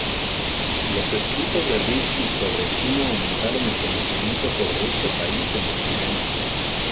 Los escritos de Ricci sobre China aumentaron el conocimiento sobre este país en Occidente.